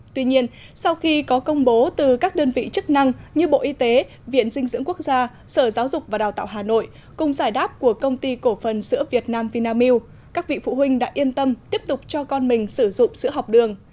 tuy nhiên sau khi có công bố từ các đơn vị chức năng như bộ y tế viện dinh dưỡng quốc gia sở giáo dục và đào tạo hà nội cùng giải đáp của công ty cổ phần sữa việt nam vinamilk các vị phụ huynh đã yên tâm tiếp tục cho con mình sử dụng sữa học đường